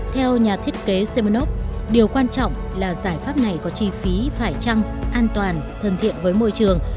theo nhà thiết kế semenov điều quan trọng là giải pháp này có chi phí phải trăng an toàn thân thiện với môi trường